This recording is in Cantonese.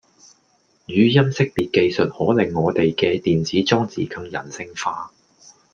語音識別技術可令我地既電子裝置更人性化